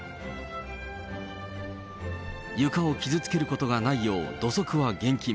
床を傷つけることがないよう、土足は厳禁。